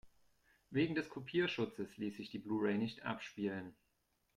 Wegen des Kopierschutzes ließ sich die Blu-ray nicht abspielen.